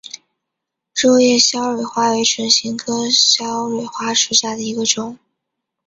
肉叶鞘蕊花为唇形科鞘蕊花属下的一个种。